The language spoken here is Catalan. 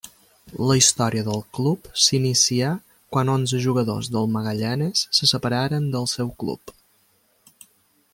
La història del club s'inicià quan onze jugadors del Magallanes se separaren del seu club.